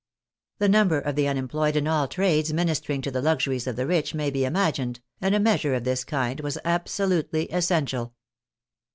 The number of the unemployed in all trades ministering to the lux uries of the rich may be imagined, and a measure of this kind was absolutely essential.